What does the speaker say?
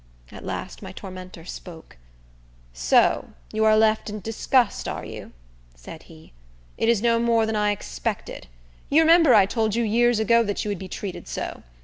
At last my tormentor spoke. "So you are left in disgust, are you?" said he. "It is no more than I expected. You remember I told you years ago that you would be treated so.